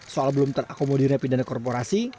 soal belum terakomodirnya pidana korporasi